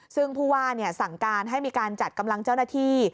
ซึ่งผู้ว่าสั่งการให้มีการจัดกำลังเจ้าหน้าที่